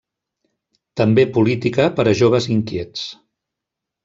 També Política per a joves inquiets.